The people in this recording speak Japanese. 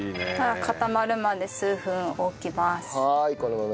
固まるまで数分置きます。